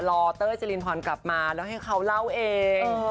เต้ยจรินพรกลับมาแล้วให้เขาเล่าเอง